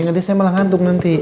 nggak deh saya malah ngantuk nanti